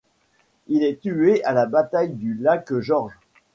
Il est tué à la bataille du lac George.